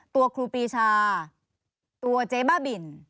ครูปีชาตัวเจ๊บ้าบิน